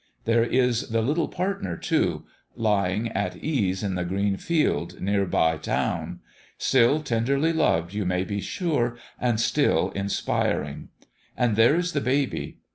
There is the little partner, too lying at ease in the green field near by town : still tenderly loved, you may be sure, and still inspiring. And there is the baby.